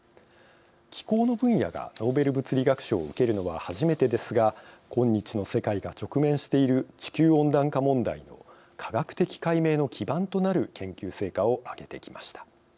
気候の分野がノーベル物理学賞を受けるのは初めてですが今日の世界が直面している地球温暖化問題の科学的解明の基盤となる研究成果を挙げてきました。